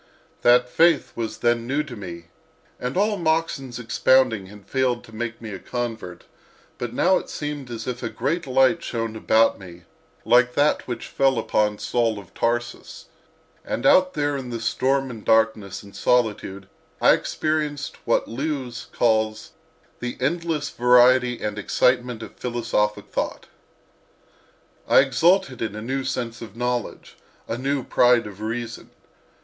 That faith was then new to me, and all Moxon's expounding had failed to make me a convert; but now it seemed as if a great light shone about me, like that which fell upon Saul of Tarsus; and out there in the storm and darkness and solitude I experienced what Lewes calls "The endless variety and excitement of philosophic thought." I exulted in a new sense of knowledge, a new pride of reason.